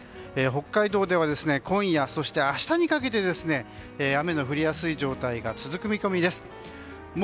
北海道では今夜、明日にかけて雨の降りやすい状態が続く見込みです。